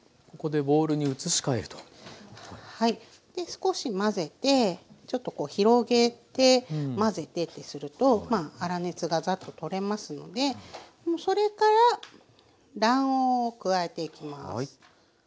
少し混ぜてちょっとこう広げて混ぜてってするとまあ粗熱がザッと取れますのでそれから卵黄を加えていきます。